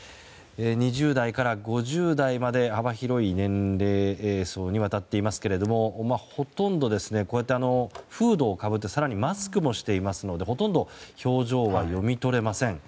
２０代から５０代まで幅広い年齢層にわたっていますけれどもほとんど、フードをかぶって更にマスクもしていますのでほとんど表情は読み取れません。